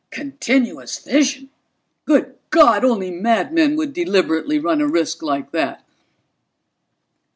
"Continuous fission? Good God, only madmen would deliberately run a risk like that!"